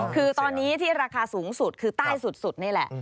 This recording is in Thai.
คือตอนนี้ที่ราคาสูงสุดคือใต้สุดนี่แหละ